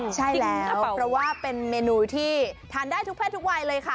ใช่แล้วเพราะว่าเป็นเมนูที่ทานได้ทุกเพศทุกวัยเลยค่ะ